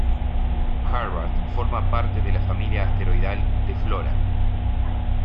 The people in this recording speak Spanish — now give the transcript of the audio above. Harvard forma parte de la familia asteroidal de Flora.